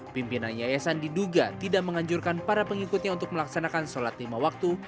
pimpinan yayasan diduga tidak menganjurkan para pengikutnya untuk melaksanakan sholat lima waktu